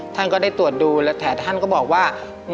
ท่านก็ได้ตรวจดูแล้วแต่ท่านก็บอกว่า